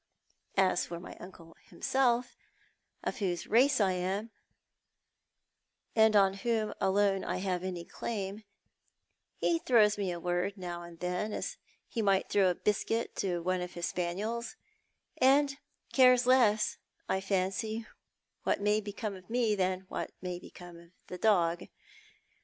As for my uncle himself, of whose race I am, and on whom alone I have any claim, he throws me a word now and then as he might throw a biscuit to one of his spaniels, and cares less, I fancy, what may become of me than what may become of the dog.